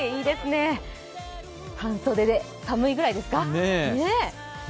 半袖で寒いぐらいですか。